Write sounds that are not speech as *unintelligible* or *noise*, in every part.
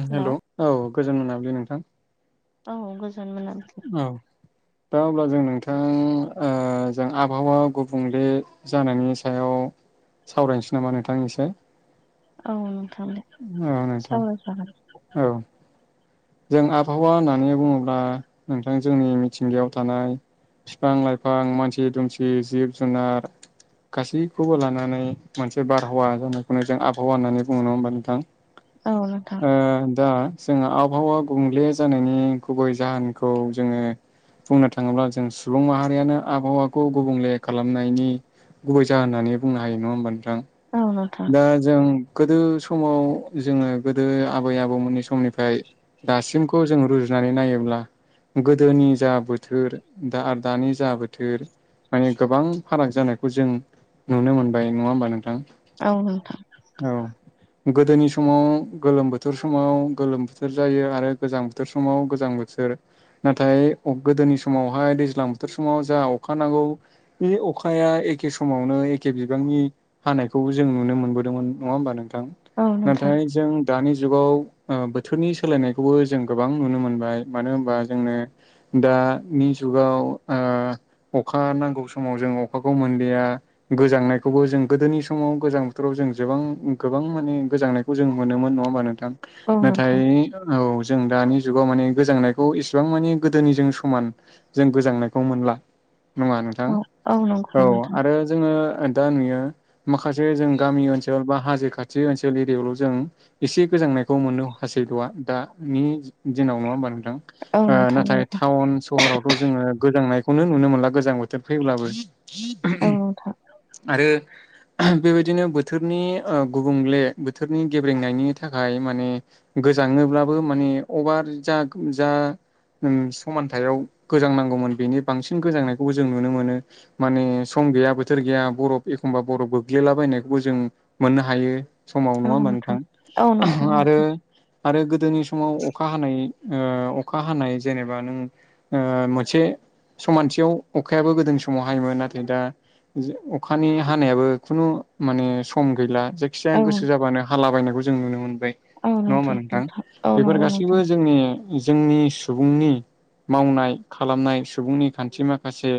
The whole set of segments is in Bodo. ओम हेलौ औ गोजोन मोनाबिलि नोंथां औ गोजोन मोनाबिलि औ दा अब्ला जों नोंथां जों आबहावा गुबुंले जानायनि सायाव सावरायनोसै नामा नोंथां इसे औन नोंथां सावरायजागोन औ जों आबहावा होननानै बुङोब्ला नोंथां जोंनि मिथिंगायाव थानाय फिफां लाइफां मानसि दुमसि जिब जुनार गासैखौबो लानानै मोनसे बारहावा जानायखौनो जों आबहावा होननानै बुङो नङा होमबा नोंथां औ नोंथां ओ दा जोंहा आब अ आ गुबुंले जानायनि गुबै जाहोनखौ जोङो बुंनो थाङोब्ला जों सुबुं माहारियानो आबहावाखौ गुबुंले खालामनायनि गुबै जाहोन होननानै बुंनो हायो नङा होमबा नोंथां औ नोंथां दा जों गोदो समाव जोङो गोदो आबै आबौमोननि समनिफ्राय दासिमखौ जों रुजुनानै नायोब्ला गोदोनि जा बोथोर दा आरो दानि जा बोथोर माने गोबां फाराग जानायखौ जों नुनो मोनबाय नङा होमबा नोंथां औ नोंथां औ गोदोनि समाव गोलोम बोथोर समाव गोलोम बोथोर जायो आरो गोजां बोथोर समाव गोजां बोथोर नाथाय गोदोनि समावहाय दैज्लां बोथोर समाव जा अखा नांगौ बे अखा बिफाया एखे समावनो एखे बिबांनि हानायखौ जों नुनो मोनबोदोंमोन नङा होमबा नोंथां औ नोंथां नाथाय जों दानि जुगाव ओ बोथोरनि सोलायनायखौबो जों गोबां नुनो मोनबाय मानो होनबा जोंनो दानि जुग जुआव अखा नांगौ समाव जों अखाखौ मोनया गोजांनायखौबो जों गोदोनि समाव गोजां बोथोराव जों गोबां गोबां माने गोजांनायखौ जों मोनोमोन नङा होमबा नोंथां औ नाथाय नोंथां औ जों दानि जुगाव माने गोजांनायखौ इसेबां मानि गोदोनि जों समान जों गोजांनायखौ मोनला। नङा नोंथां औ औ नंगौ नोंथां आरो जोङो दा नुयो मा। माखासे जों गामि ओनसोल बा। हाजो खाथि ओनसोल एरियायावल' जों एसे गोजांनायखौ मोननो हासैल'आ दानि। दिनाव नङा होमबा नोंथां औ नोंथां नाथाय नंगौ टाउन सहरावथ' जोङो गोजांनाय। खौनो नुनो मोनला गोजां बोथोर फैब्लाबो औ नोंथां आरो। बेबायदिनो बोथोरनि गुबुंले बोथोरनि गेब्रेंनायनि थाखाय माने गो। मोजाङोब्लाबो माने अभार जा जा। समानथायाव गोजां नांगौमोन बेनि बांसिन गोजांनायखौबो जों नुनो मोनो माने सम गैया बोथोर गैया बरफ एखमबा बरफ गोग्लैलाबायनायखौबो जों मोननो हायो समाव नङा औ होमबा नोंथां औ नोंथां आरो आरो गोदोनि समाव अखा हानाय ओ अखा हानाय जेनेबा नों ओ मोनसे समानथियाव अखायाबो गोदोनि समाव हायोमोन नाथाय दा अखानि हानायाबो खुनु माने सम गैला जायखिजाया औ गोसो जाबानो हाला बायनायखौ जों नुनो मोनबाय। औ नङा होमा नोंथां? औ बेफोर नंगौ गासैबो नोंथां जोंनि जोंनि सुबुंनि मावनाय खालामनाय सुबुंनि खान्थि माखासे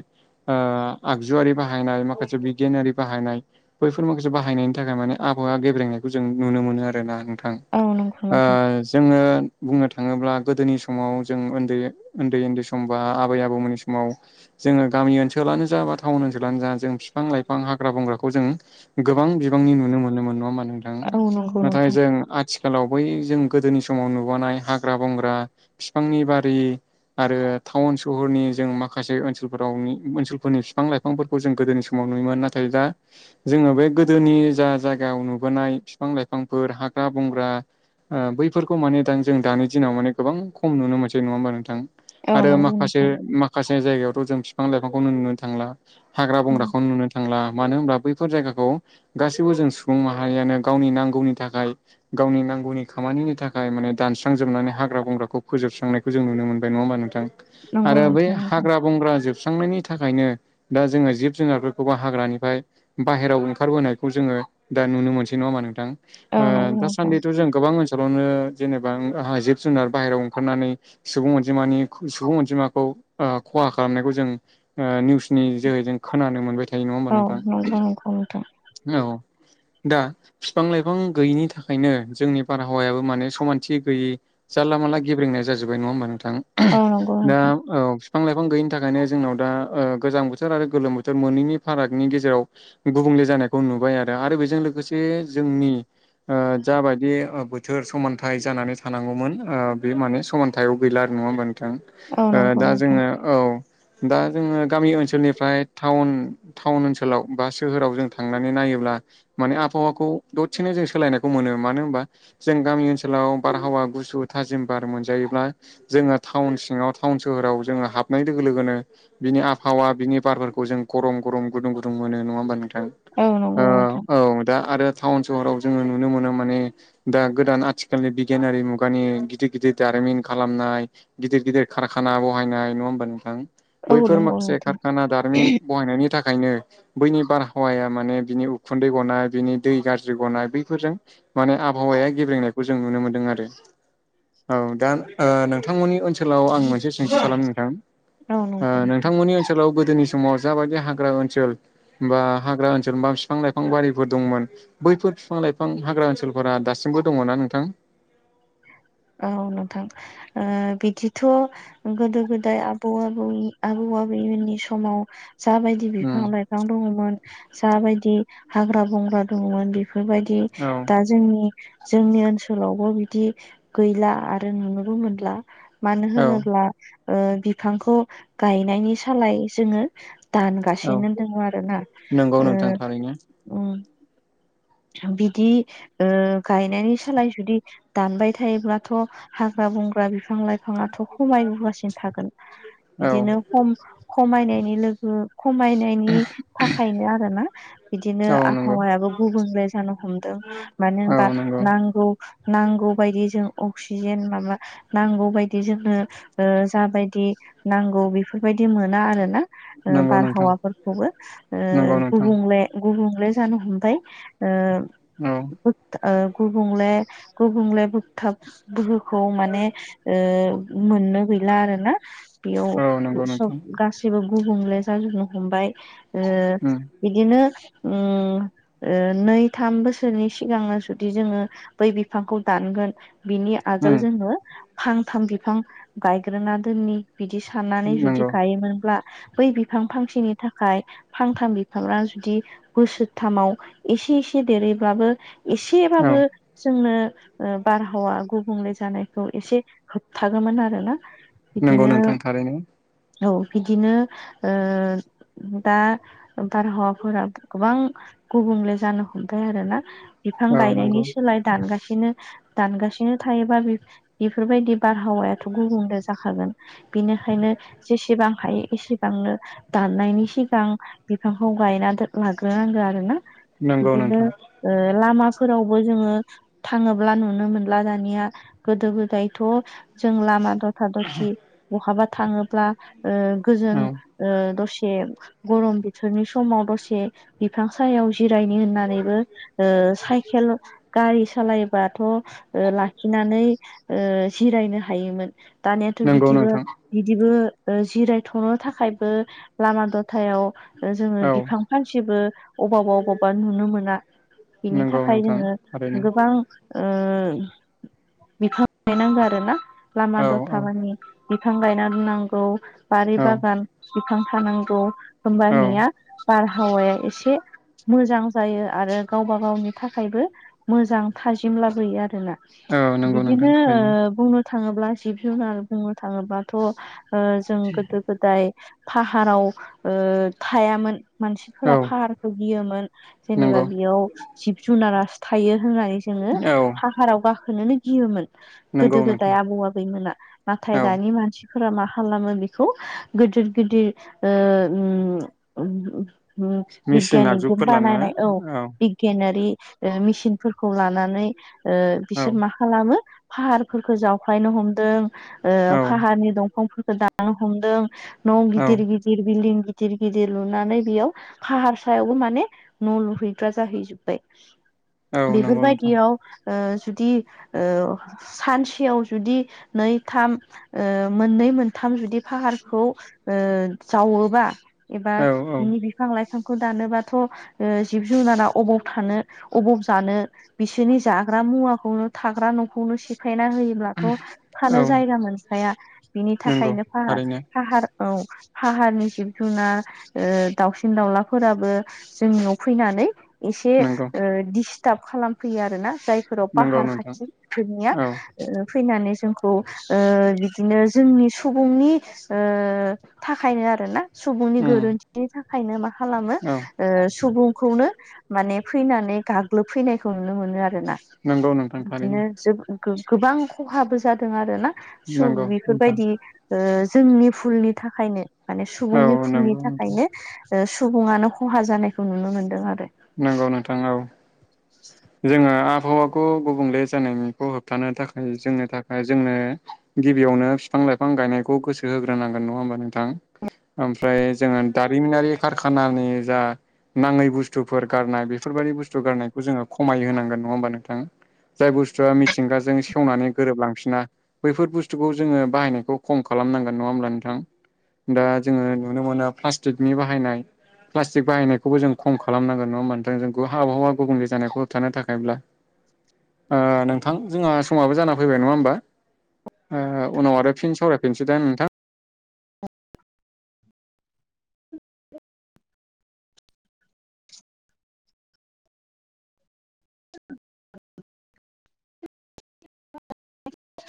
आगजुआरि बाहायनाय माखासे बिगियानारि बाहायनाय बैफोर माखासे बाहायनायनि थाखाय माने आबहावा गेब्लेनायखौ जों नुनो मोनो आरो ना नोंथां? औ नंगौ थ नोंथां ओ जोङो बुंनो थाङोब्ला गोदोनि समाव जों उन्दै उन्दै उन्दै सम बा आबै आबौमोननि समाव जोङो गामि ओनसोलानो जा बा टाउन ओनसोलानो जा जों बिफां लाइफां हाग्रा बंग्राखौ जों गोबां बिबांनि नुनो मोनो मोन नंङा होमबा नोंथां? औ नंगौ नाथाय नोंथां जों आथिखालाव बय जों गोदोनि समाव नुबानाय हाग्रा बंग्रा बिफांनि बारि आरो टाउन सहरनि जों माखासे ओनसोलफोराव ओनसोलफोरनि बिफां लाइफांफोरखौ जों गोदोनि समाव नुयोमोन नाथाय दा जोङो बे गोदोनि जा जायगायाव नुबोनाय बिफां लाइफांफोर हाग्रा बंग्रा बैफोरखौ माने जों दानि दिनाव माने गोबां खम नुनो मोनसै नङा होनोमबा नोंथां? औ आरो नंगौ माखासे नोंथां माखासे जायगायावथ' जों बिफां लाइफांखौ नुनो थांला। हाग्रा बंग्राखौ नुनो थांला मानो होनबा बैफोर जायगाखौ गासैबो जों सुबुं माहारियानो गावनि नांगौनि थाखाय गावनि नांगौनि ख खामानिनि थाखाय माने दानस्रांजोबनानै हाग्रा बंग्राखौ फोजोबस्रांनायखौ जों नुनो मोनबाय नङा होमबा नोंथां? नंगौ आरो बै नोंथां नंगौ हाग्रा बंग्रा जोबस्रांनायनि बि थाखायनो दा जोङो जिब जुनारफोरखौबा हाग्रानिफ्राय बाहहेरायाव ओंखारबोनायखौ जोङो दा नुनो मोनसै नङामा नोंथां? औ नंगौ नोंथां दासान्दिथ' जों गोबां ओनसोलावनो जेनेबा जिब जुनार बाहहेरायाव ओंखारनानै सुबुं अनजिमानि सुबुं अनजिमाखौ खहा खालामनायखौ जों निउसनि जोहैजों खोनानो मोनबाय थायो नङा होमबा औ नोंथां? नंगौ नोंथां। औ। दा बिफां लाइफां गैयिनि थाखायनो जोंनि बारहावायाबो माने समानथि गैयि दाला माला गेब्रेंनाया जाजोब्बाय नङा होमबा नोंथां औ नंगौ दा नोंथां ओह औ बिफां लाइफां गैयिनि थाखायनो जोंनाव दा गोजां बोथोर आरो गोलोम बोथोर मोनैनि फारागनि गेजेराव गुबुंले जानायखौ नुबाय आरो आरो बेजों लोगोसे जोंनि ओ जाबायदि बोथोर समानथाय जानानै थानांगौमोन ओ बे माने समानथायाव गैला आरो नङा होमबा औ नंगौ दा नोंथां जोङो औ दा जोङो गामि ओनसोलनिफ्राय टाउन टाउन ओनसोलाव बा सोहोराव जों थांनानै नायोब्ला माने आबहावाखौ दसेनो जों सोलायनायखौ मोन मानो हबा जों गामि ओनसोलाव बारहावा गुुसु थाजिम बार मोनजायोब्ला जोङो टाउन सिङाव टाउन सोहाव जोङो हाबनाय लोगो लोगोनो बिनि आबहावा बिनि बारफोरखौ जों गरम गरम गुदुं गुदुं मोनो नङा होमबा नोंथां? औ ओ नंगौ नोंथां औ दा आरो टाउन सहराव जोङो नुनो मोनो माने ओ दा गोदान आथिखालनि बिगियानारि मुगानि गिदिर गिदिर दारिमिन खालामनाय गिदिर गिदिर ओ खारखाना बहायनाय नङा होमबा नोंथां? औ बैफोर नंगौ माखासे नोंथां कारखाना दारिमिन बहायनायनि थाखायनो बैनि बारहावाया माने बिनि उखुन्दै गनाय बिनि दै गाज्रि गनाय बैफोरजों माने आबहावाया गेबेेंनायखौ जोङो नुनो मोनदों आरो औ दा ओ नोंथांमोननि ओनसोलाव आं मोन से सोंथि खालामनो‌ नोंथां औ ओ नंगौ नोंथोंमोननि ओनसोलाव गो दोनि समाव जाबादि हाग्रा ओनसोल बा हाग्रा ओसो जेनबा फिफां लाइफां बारिफोर दंमोन बैफोर फिफां लाइफां हाग्रा ओनसोलफोरा दासिमबो दङना नोंथां? औ नोंथां ओ बिदिथ' गोदो गोदाय आबौ आबौनि आबौ। अ आबैमोननि समाव साबायदि बिफां उम लाइफां दङमोन साबायदि हाग्रा बंग्रा दङमोन बे फोरबायदि दा औ जोंनि जोंनि ओनसोलावबो बिदि गैला आरो नुनोबो मोनला मानो औ होनोब्ला ओ बिफांखौ गायनायनि सालाय जोङो औ दानगासिनो दङ आरोना नंगौ ओ नोंथां थारैनो उम। थ्रबिदि ओ गायनायनि सालाय जुदि दानबाय थायोब्लाथ' हाग्रा बंग्रा बि फां लाइफाङाथ' खमायबोगासिनो थागोन औ बिदिनो खम खमायनायनि लोगो खमायनायनि थाखायनो आरोना बिदिनो औ नंगौ आफावायाबो गुबुंले जानो हमदों मानो औ होमबा नंगौ नांगौ नांगौ बायदि जों अक्सिजेन माबा नांगौ बायदि जोंनो ओ जाबायदि नांगौ बेफोर- बायदि मोना आरोना ओ नंगौ नोंथां बारहावाफोरखौबो ओ नंगौ नोंथां गुबुंले गुबुंले जानो हमबाय औ ओ ओ गुबुंले गुबुंले बोगथाब बोहो- खौ माने ओ मोननो गैला आरो ना बेयाव औ उ नंगौ सब नोंथां गासैबो गुबुंले जाजोबनो हमबाय ओ उम इदिनो उम ओ नै थाम बोसोरनि सिगांनो जुदि जोङो बै बिफांखौ दानगोन बिनि आजोल उम जोङो फांथाम बिफां गायग्रोना दोननि बिदि साननानै जुदि नंगौ गायोमोनब्ला बै बिफां फांसेनि थाखाय फांथाम बिफाङा जुदि बोसोरथामाव इसे इसे देरहैब्लाबो औ इस्सेबाबो जोंनो ओ बारहावा गुबुंले जानायखौ एसे होबथागोमोन आरो ना नोंगौ नोंथां थारैनो औ बिदिनो ओ दा बारहावाफोरा गोबां गुबुंले जानो हमबाय आरोना बिफां औ गायनायनि नंगौ सोलाय दानगासिनो इदिनो दानगासिनो थायोबा बिब बिफोरबायदि बारहावायाथ' गुबुंले जाखागोन। बिनोखायनो जेसेबां हायो एसेबांनो दाननायनि सिगां बिफांखौ गायना- आन्थोर लाग्रो नांगो आरोना नंगौ बिदिनो नोंथां ओ लामा फोरावबो जोङो थाङोब्ला नुनो मोनला दानिया गोदो गोदायथ' जों लामा फोराव थादथि बहाबा थाङोब्ला ओ गोजों औ ओ दस- गरम बोथोरनि समाव दसे बिफां सायायाव जि- रायनि होननानैबो ओ साइखेल गारि सालायो- बाथ' ओ लाखिनानै ओ जिरायनो हायोमोन दानियाथ' नंगौ बिदिबो नोंथां बिदिबो ओ जिरायथ'नो थाखायबो लामा दथायाव ओ जोङो औ बिफां फानसेबो अबावबा अबावबा नुनो मोना बिनि नंगौ थाखाय नोंथां जोङो थारैनो गोबां ओ बिफां गाय नांगो आरो ना लामा औ औ दथामानि बि बिफां गायना दोननांगौ बारि औ बागान बिफां थानांगौ औ होनबानिया बारहावाया एसे मोजां जायो आरो गावबा गावनि थाखायबो मोजां थाजिम लाबोयो आरोना। औ नंगौ नोंथां बिदिनो थारैनो बुंनो थाङोब्ला जिब जुनार बुंनो थाङोबाथ' जों गोदो गोदाय फाहाराव थायामोन औ मानसिफोरा फाहारखौ गियोमोन जेनेबा नंगौ बेयाव जिब जुनारासो थायो होननानै जोङो औ फाहाराव गाखोनोनो गियोमोन। नंगौ गोदो गोदाय नोंथां आबौ आबैमोना नाथाय औ दानि मानसि फोर मा खालामो बेखौ गिदिर गिदिर मेसिन बिगियानिकजों आगजुफोर लाना बानायनाय औ बिगियानारि मेसिनफोरखौ लानानै ओ औ बिसोर मा खालामो फाहारफोरखौ जावख्लायनो हमदों ओ औ फाहारनि दंफांफोरखौ दानो हमदों न' औ गिदिर गिदिर बिल्डं गिदिर गिदिर लुनानै बेयाव फाहार सायावबो माने न' लुहैग्रा जाहैजोब्बाय औ नंगौ नोंथां बेफोरबायदियाव ओ जुदि ओ सानसेयाव जुदि नै थाम ओ मोन मोनै मोनथाम जुदि फाहारखौ ओ जावोबा एबा औ औ बिनि बिफां लाइफां खौ दानोबाथ' ओ जिब जुनारा अबव थानो अबव जानो बिसोरनि जाग्रा मुवाखौनो थाग्रा न'खौनो सिफायना होयोब्लाथ' थानो औ जायगा मोनखाया बिनि नंगौ थाखायनो फाह थारैनो फाहार औ फाहारनि जिब जुनना दाउसिन दाउला फोराबो जोंनियाव फैनानै एसे नंगौ दस्ट्ब खालामफैयो आरो ना जाय सोराव नंगौ पाहार नोंथां खाथिफोरनिया औ फैनानै जोंखौ बिदिनो जोंनि सुबुंनि थाखायनो आरोना सुबुंनि उम गोरोन्थिनि थाखायनो मा खालामो औ सुबुंखौनो माने फैनानै गाग्लोब फैनायखौ नुनो मोनो आरो ना नंगौ नोंथां बिदिनो थारैनो जबो गोबां खहाबो जादों आरो ना स' नंगौ नोंथां बेफोरबायदि जोंनि फुलनि थाखायनो माने सुबुंनि औ फुलनि नंगौ नोंथां थाखायनो सुबुङानो खहा जानायखौ नुनो मोनदों आरो नंगौ नोंथांओव जोङो आबहावाखौ गुबुंले जानायखौ होबथानो थाखाय जोंनो थाखाय जोंनो गिबियावनो बिफां लाइफां गायनायखौ गोसो होग्रोनांगोन नङा होमबा नोंथां ओमफ्राय जोङो दारिमिनारि खारखानानि जा नाङै बुस्सु बुस्थुफोर गारनाय बेफोरबायदि बुस्थु गारनायखौ जोङो खमाय होनांगोन नङा होमबा नोंथां। जाय बुस्थुआ मिथिंगाजों सेवनानै गोरोबलांफिना बैफोर बुस्थुखौ जोङो बाहायनायखौ खम खालाम खालामनांगोन नङा होमब्ला नोंथां दा जोङो नुनो मोनो प्लास्टिकनि बाहायनाय प्लास्टिक बाहायनायखौबो जों खम खालाम खालामनांगोन नङा मानोथों जों आबहावा गुबुंले जानायखौ होबथानो थाखायब्ला ओ नोंथां जोंहा समाबो जाना फैबाय नङा होमबा उनाव आरो फिन सावरायफिनसै दा नोंथां *unintelligible* *inaudible* *unintelligible* *inaudible*